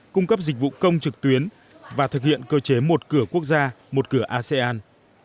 cung cấp dịch vụ công trực tuyến và thực hiện cơ chế một cửa quốc gia một cửa asean